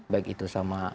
baik itu sama